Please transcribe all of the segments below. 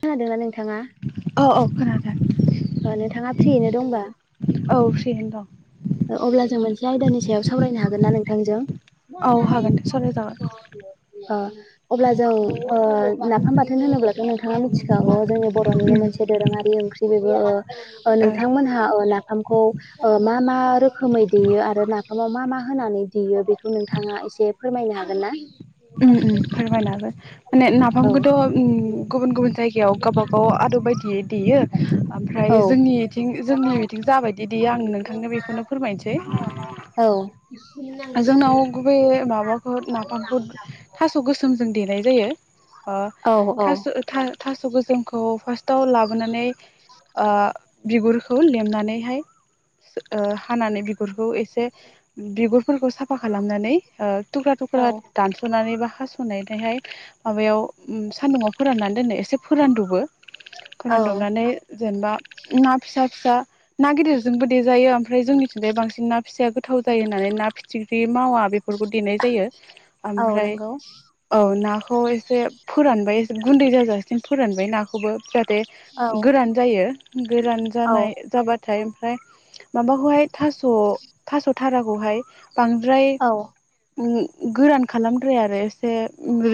खोनादोंना नोंथाङा? औ औ खोनादों। ओ नोंथाङा फ्रियैनो दंबा औ फ्रियैनो दं ओ अब्ला जों मोनसे आयदानि सायाव सावरायनो हागोन ना नोंथांजों? औ हागोन दे सावरायजागोन अ अब्ला जों ओ नाफाम बाथोन होनोब्लथ' नोंथांआ मिथिखागौ जोंनि बर'निनो मोनसे दोरोआरि ओंख्रि बेबो ओ ओ नोंथांमोनहा ओ ना फामखौ ओ मा मा मा रोखोमै देयो आरो नाफामाव मा मा होनानै देयो बेखौ नोंथांआ एसे फोरमायनो हागोन ना? उम उम फोरमायनो हागोन माने औ नाफामखौथ' उम गुबुन गुबुन जायगायाव गावबा गाव आदब बायदि देयो औ आमफ्राय जोंनि इथिं जोंनि इथिं जाबायदि देयो आं नोंथांनो बेखौनो फोरमायनोसै औ। जोंनाव गुबैयै माबाखौ नाफामखौ थास' गोसोमजों देनाय जायो। ओ औ थास' था थास' गोसोमखौ गाव लाबोनानै ओ बिगुरखौ लेमनानैहाय ओ हानानै बिगुरखौ एसे बिगुर फोरखौ साफा खालामनानै ओ थुख्रा औ थुख्रा दानस'नानै बा हास'नायजोंहाय माबायाव सान्दुङाव फोराननानै दोनो एसे फोरानद'बो। फोरान औ दबनानै जेनेबा ना फिसा फिसा ना गिदिरजोंबो देजायो आम फ्राय जोंनि थिंजाय बांसिन ना फिसाया गोथाव जायो होननानै ना फिथिख्रि मावा बेफोरखौ देनाय जायो। औ आमफ्राय नंगौ औ ना खौ एसे फोरानबाय एसे गुन्दै जाजासिम फोरानबाय नाखौबो औ गोरान जायो गोरान औ जानाय जाबा थाय ओमफ्राय माबाखौहाय थास' थास' थाराखौहाय बांद्राय औ उम गोरान खालामद्राया आरो एसे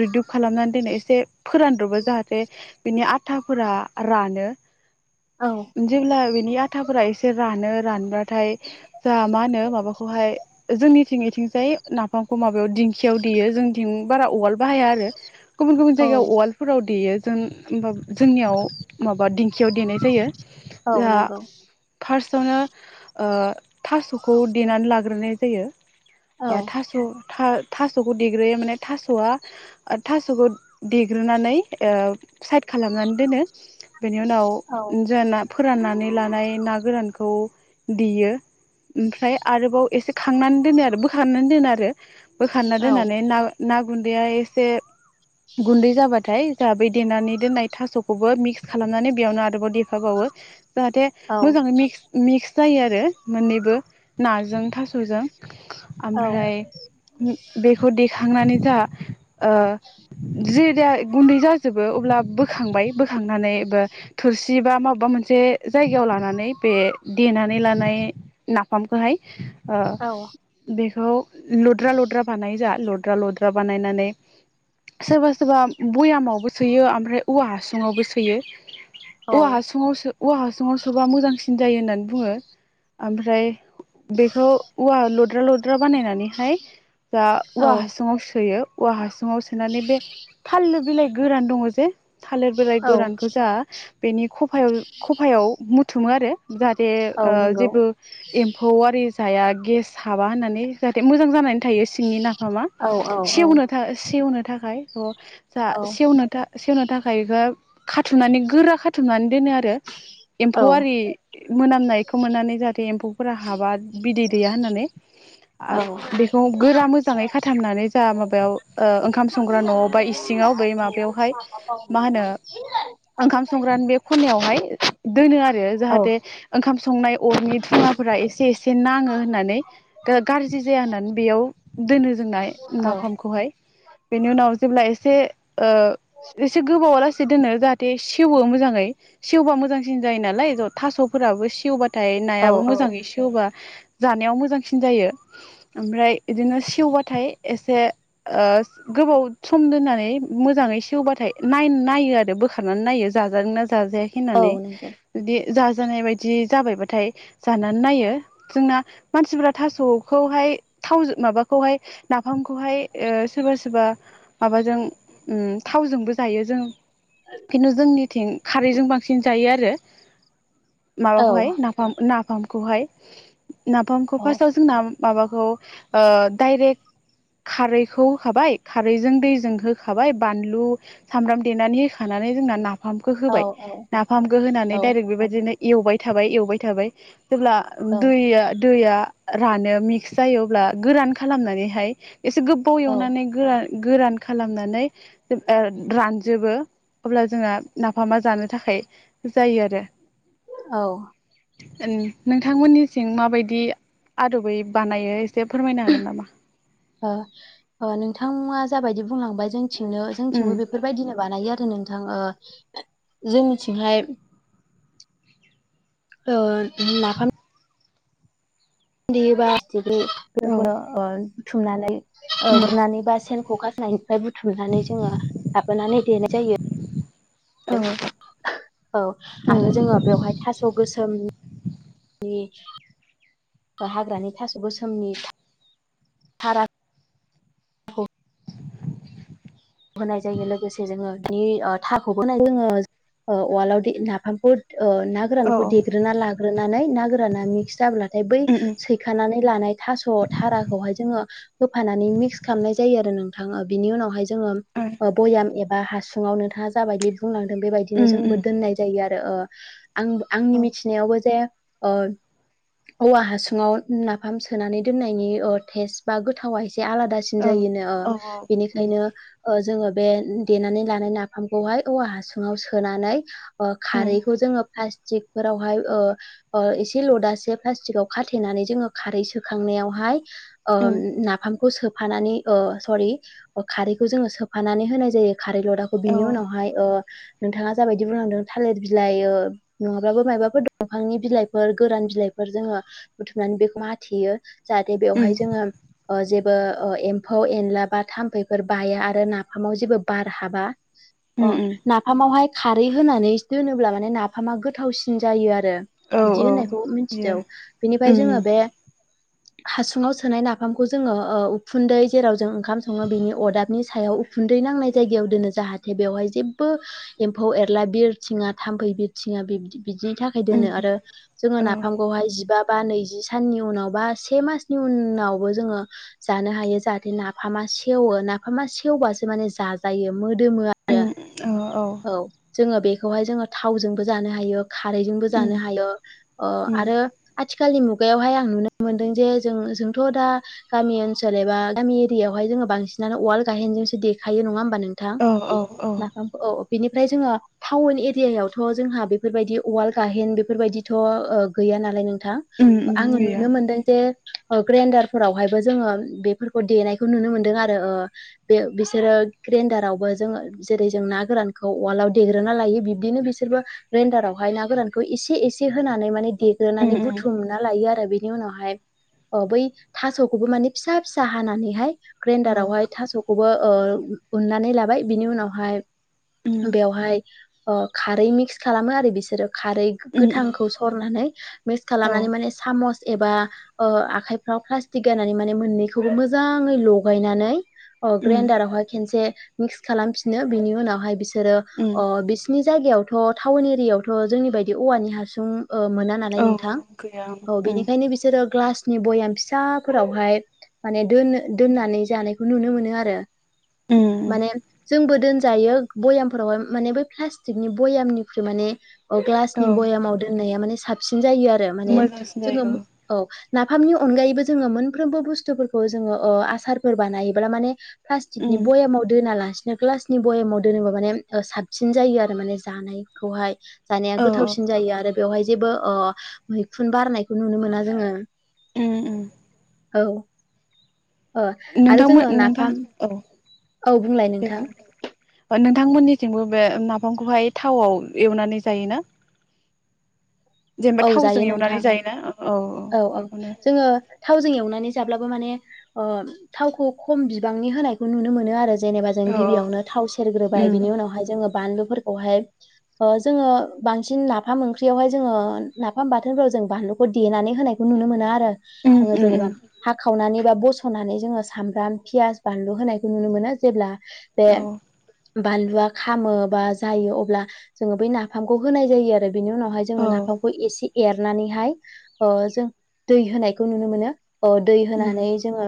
रिदुब खालामनानै दोनो एसे फोरानदबो जाहाथे बिनि आथाफोरा रानो। जेब्ला बिनि आथाफोरा एसे रानो रानबा थाय जोहा मा होनो माबाखौहाय जोंनिथिं इथिंजाय नाफामखौ माबायाव दिंखियाव देयो जोंनिथिं बारा उवाल बाहाया आरो। गुबुन गुबुन औ जायगायाव उवालफोराव देयो जों होमबा जोंनियाव माबा दिंखियाव देनाय जायो। औ नंगौ। फोर्स आवनो ओ थास'खौ देनानै लाग्रोनाय जायो। औ ओ थास' था थास'खौ देग्रोयो माने थास'आ थास'खौ देग्रोनानै ओ साइड खालामनानै दोनो। बेनि उनाव औ जों ना फोराननानै लानाय ना गोरानखौ देयो ओमफ्राय आरोबाव एसे खांनान दोनो आरो बोखारनान दोनो आरो। बोखारना औ दोननानै ना ना गुन्दैया एसे गुन्दै जाबाथाय जोहा बै देनानै दोननाय थास'खौबो मिक्स खालामनानै बेयावनो आरोबाव देफाबावो। जाहाथे औ मोजाङै मिक्स मिक्स जायो आरो मोननैबो नाजों थास'जों। औ ओमफ्राय बेखौ देखांनानै जोहा ओ जेदिया गुन्दै जाजोबो अब्ला बोखांबाय बोखांनानै थोरसि बा मा मोनसे जायगायाव लानानै बे देनानै लानाय ना फाम खौहाय ओ औ बेखौ लद्रा लद्रा बानायो जोहा लद्रा लद्रा बानायनानै सोरबा सोरबा भयामावबो सोयो ओमफ्राय औवा हासुङावबो सोयो। औवा औ हासुङाव सो औवा हासुङाव सोबा मोजांसिन जायो होननानै बुङो। ओमफ्राय बेखौ औवा लद्रा लद्रा बानायनानैहाय जा औवा औ हासुङाव सोयो। औवा हासुङाव सोनानै बे थालिर बिलाइ गोरान दङ जे थालिर बिलाइ औ गोरानखौ जोंहा बेनि खफायाव खफायाव बुथुमो आरो जाहाथे औ नंगौ जेबो एम्फौआरि जाया गेस हाबा होननानै जाहाथे मोजां जानानै थायो। सिंनि नाफामा औ औ औ सेवनो था सेवनो थाखाय जा औ सेवनो था सेवनो थाखाय बेखौ खाथुमनानै गोरा खाथुमनानै दोनो आरो। एम्फौ औ आरि मोनामनायखौ मोननानै जाहाथे एम्फौफोरा हाबा बिदै गैया होननानै औ बेखौ गोरा मोजाङै खाथामनानै जा माबायाव ओंखाम संग्रा न'आव बा इसिङाव बै माबायावहाय मा होनो ओंखाम संग्रानो बे खनायावहाय दोनो आरो औ जाहाथे ओंखाम संनाय अरनि धुं ङाफोरा एसे एसे नाङो होननानै गाज्रि जाया होननानै बेयाव दोनो जोंना औ नाफामखौहाय बेनि उनाव जेब्ला एसे ओ एसे गोबावा लासि दोनो जाहाथ बे सेवो मोजाङै सेवबा मोजांसिन जायो नालाय थास'फोराबो सेवबा थाय औ नायाबो नंगौ मोजां सेवबा जानायाव मोजांसिन जायो। ओमफ्राय बिदिनो सेवबाथाय एसे ओ गोबाव सम दोननानै मोजाङै सेवबाथाय नाय-नायो आरो बोखारनानै नायो जाजादों ना जाजायाखै औ होन्नानै औ जुदि जाजानाय बायदि जाबायबाथाय जानानै नायो। जोंना मानसिफोरा थास'खौहाय थाव माबाखौहाय नाफामखौहाय ओ सोरबा सोरबा माबाजों ओम थावजोंबो जायो जों खिन्थु जोंनिथिं खारैजों बांसिन जायो आरो। माबाखौहाय नाफाम नाफामखौहाय नाफामखौ औ फार्स्टाव जोंना माबाखौ ओ डायरेक्ट खारैखौ होखाबाय खारैजों दैजों होखाबाय बानलु सामब्राम देनानै होखाना नानै जोंना ना नाफामखौ होबाय औ नाफामखौ होनानै दडायरेक्ट बेबायदिनो एवबाय थाबाय एवबाय थाबाय जेब्ला औ दैया दैया रानो मिक्स जायो अब्ला गोरान खालामनानैहाय एसे गोबाव ओ एवनानै गोरान गोरान खालामनानै ओ रानजोबो अब्ला जोंहा नाफामा जानो थाखाय जायो आरो। औ। नोंथांमोननि सिं माबायदि आदबै बानायो एसे फोरमायनो हागोन नामा? ओ ओ नोंथांमोआ जाबायदि बुंलांबाय जोंंनिथिंनो उम जोंथिंबो बेफोरबायदिनो बानायो। नोंथां जोंनिथिंहाय औ नाफाम देयोबा सेफे औ बेफोरखौनो ओ बुथुमनानै ओ उम गुरनानै बा सेन खखा सेननिफ्राय बुथुमनानै जोङो लाबोनानै देनाय जायो। औ औ आरो मोजांसिन जोङो बेवहाय थास' गोसोम नि हाग्रानि थास' गोसोमनि था-थारा खौ होनाय जायो लोगोसे जोङो बिनि [unintelligible] ओ उवालाव दे नाफामखौ ओ ना जायो गोरानखौ देग्रोना लाग्रोनानै ना गोराना मिक्स जाब्लाथाय बै सैखानानै लानाय थास' थाराखौहाय जोङो होफानानै मिक्स खालामनाय जायो आरो नोंथाङो ओ बिनि उनावहाय जोङो। ओ भयाम एबा हासुङाव नोंथाङा जाबायदि बुंलांदों बेबायदिनो जोंबो दोननाय जायो आर रो ओ आं-आंनि मिथिनायावबो जे ओ औवा हासुङाव नाफाम सोनानै दोननायनि ओ टेस्ट बा गोथावा एस से आलादासिन जायोनो ओ बेनिखायनो ओ जोङो बे देनानै लानाय नाफामखौहाय औवा हासुङाव सोनानै ओ खारैखौ जोङो फार्स्ट तिकफोरावहाय ओ ओ एसे लदसे प्लास्टिकाव खाथेनानै जोङो खारै सोखांनायाव हा हाय ओ नाफामखौ सोफानानै ओ सरि ओ खारैै खौ जोङो सोफानानै होनाय जायो खारै लदाखौ। बिनि उनावहाय ओ नोंथाङा जाबायदि बुंलांदों थालिर बिलाइ ओ नङाब्लाबो मायबाफोर दं दंफांनि बिलाइफोर, गोरान बिलाइ फोर जोङो बुथुमनानै बेखौ माथेयो जाहाथे बेवहाय जोङो ओ जेबो एम्फौ एनला बा थाम्फैफोर बाया आरो नाफामाव जेबो बार हाबा नाफामावहाय खारै होनानै दोनोब्ला माने नाफामा गोथावसिन जायो आ आरो बिदि होननायखौ मिथिदों। बिनिफ्राय जोङो बे हासुङाव सोनाय नाफामखौ जोङो उखुन्दै जेराव जों ओंखाम सङो बिनि अदाब बनि सायाव उखुन्दै नांनाय जायगायाव दोनो। जाहाथे बेवहाय जेबो एम्फौ एरला बिर थिङा था थामफै बिरथिङा बिब बिबदिनि थाखाय दोनो आरो जोङो नाफामखौहाय जिबा बा नैजि साननि उनाव बा से मासनि उनावबो जोङो जानो हायो जाहाथे नाफामा सेवो नाफामा सेवबासो माने जाजायो मोदोमो आरो औ। जोङो बेखौहाय जोङो थावजोंबो जानो हायो, खारैजोंबो जानो हायो ओ आरो आथिखालनि मुगायावहाय आं नुनो मोनदों जे जों जोंथ' दा गामि ओनसोल एबा गामि एरियायावहाय जोङो बांसिनानो उवाल गायहेनजोंसो देखायो नङा होमबा नोंथां नाफामखौ औ। बेनिफ्राय जोङो टाउन एरियायावथ' जोंहा बेफोरबायदि उवाल गाहेन बेफोरबायदिथ' ओ गै या नालाय नोंथां आंङो नुनो मोनदों जे ग्राइडारफोरावहायबो जोंङो बेफोरखौ देनायखौ नुनो मोनदों आरो। ओ बे बिसोरो ग्रेन्दारावबो जोङो जेरै जों ना गोरानखौ वालाव देग्रोना लायो बिबदिनो बिसोरबो ग्रेइनडारावहाय ना गोरानखौ एसे एसे होनानै माने देग्रोनानै बुथुमना लायो आरो बि नि उनावहाय अ बै थास'खौबो माने फिसा फिसा हानानैहाय ग्रेनडारावहाय थास'खौबो ओ उ-उननानै लाबाय बिनि उनावहाय बेवहाय ओ खारै मिक्स खालामो आरो बिसोरो खारै गोथांखौ सरनानै मिक्स खालामनानै माने सामस एबा ओ आखाइफ्राव प्लास्टिक गाननानै माने मोननैखौ मोजाङै लगायनानै अ ग्राइडारावहाय खेनसे मिक्स खालामफिनो बिनि उनावहाय बिसो बिसोरो अ बिसिनि जायगायावथ' टाउन एरियायावथ' जोंनि बायदि औवानि हासुं ओ मोना नालाय नोंथां औ बेनिखायनो बिसोरो ग्लास नि बयाम फिसाफोरावहाय माने दोन दोननानै जानायखौ नुनो मोनो आरो। माने जोंबो दोनजायो बयामफोरावहाय माने बै प्लास्टिकनि बयामनिख्रुइ माने औ ग्लासनि भयामाव दोननाया माने साबसिन जायो आरो माने जोङो औ। नाफामनि अनगायैबो जोङो मोनफ्रोमबो बुस्थुफोरखौ जोङो ओ आसारफोर बानायोब्ला माने प्लास्टिकनि बयामाव दोना लासि नो ग्लासनि बयेमाव दोनोबा माने साबसिन जायो आरो माने जानायखौहाय। जानाया औ गोथावसिन औ जायो आरो बेवहाय जेबो ओ मैखुन बारनायखौ नुनो मोना जोङो। उम उम। औ औ आरो नोंथांमोन जोङो नोंथां नाफाम। औ औ बुंलाय दे बुं नोंथां। नोंथांमोननिथिंबो बे नाफामखौहाय थावआव एवनानै जायोना? जेनेबा औ थावजों जायो नोंथां। एवनानै जायोना औ औ बेखौनो जोङो थावजों एवनानै जाब्लाबो माने ओ थावखौ खम बिबांनि होनायखौ नुनो मोनो आरो। जेनेबा जों औ औ गिबियावनो थाव सेरग्रोबाय बिनि उम उनावहाय जोङो बानलु फोरखौहाय ओ जोङो बांसिन नाफाम ओंख्रियावहाय जोङो नाफाम बाथोनफोराव जों बानलुखौ देनानै होनायखौ नुनो मोना आरो उम आङो उम जेनेबा उम हाखावनानै बा बस'नानै जोङो सामब्राम फियास बानलु होनायखौ नुनो मोनो जेब्ला बे औ बानलुआ खामो बा जायो अब्ला जोङो बै नाफामखौ होनाय जायो आरो बिनि उनावहाय जोङो औ नाफ ‌फामखौ एसे एरनानैहाय ओ जों दै होनायखौ नुनो मोनो। ओ दै उम होनानै जोङो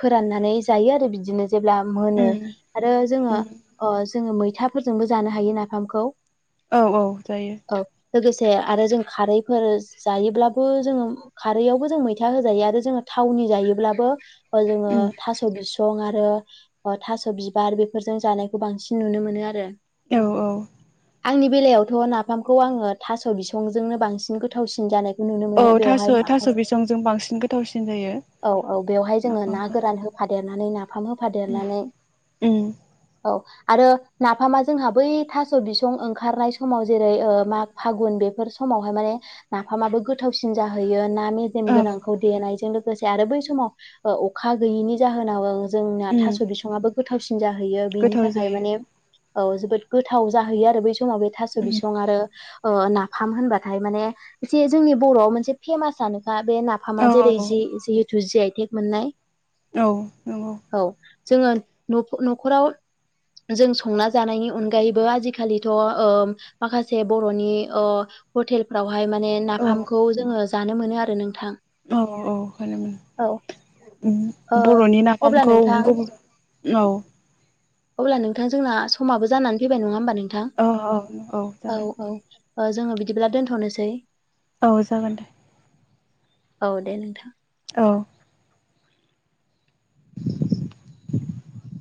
फोराननानै जायो आरो बिदिनो। जेब्ला मोनो उम आरो जोङो उम ओ जोङो मैथाफोरजोंबो जानो हायो नाफामखौ। औ औ जायो‌। औ लोगोसे आरो जों खारैफोर जायोब्लाबो जोङो खारैआवबो जों मैथा होजायो आरो जोङो थावनि जायो ब्लाबो जोङो उम थास बिसं सं आरो ओ थास' बिबार बेफोरजों जानायखौ बांसिन नुनो मोनो आरो। औ औ आंनि बेलायावथ' नाफामखौ आङो थास' बिसंजोंनो बांसिन गोथावसिन जानाय औ थास' थास' बिसंजों बांसिन गोथावसिन जायो। औ औ बेवहाय जोङो ना नाफामा गोरान होफा देनानै नाफाम उम होफादेरनानै उम औ आरो नाफामा जोंहा बै थास' बिसं ओंखारनाय समाव जेरै ओ मा फागुन बेफोर समावहाय माने नाफामाबो गोथावसिन जाहैयो ना मेजेम औ गोनांखौ देनायजों लोगोसे आरो बै समाव अखा गैयैनि जाहोनाव जोंना उम थास' बिसाङाबो गोथावसिन जाहैयो बिनि गोथाव थाखाय जायो माने औ जोबोद गोथाव जाहैयो आरो बै समाव बे थास' उम बिसं आरो नाफाम होनबाथाय माने एसे जोंनि बर'आव मोनसे फेमासआनो दा बे नाफामा औ औ जेरै जि जिहेथु जि आइटेक मोननाय औ नंगौ औ जोङो न'खराव जों संना जानायनि अनगायैबो आजिखालिथ' माखासे बर'नि हटेलफ्रावहाय माने औ नाफामखौ जोङो जानो मोनो आरो नोंथां औ औ औ ओ बर'नि अब्ला नाफामखौ नोंथां गुब औ अब्ला नोंथां जोंना समाबो जानानै फैबाय नङा होमबा नोंथां औ औ जाबाय औ औ जोङो बिदिब्ला दोनथ'नोसै औ जागोन दे औ दे नोंथां औ [inaudible] [unintelligible]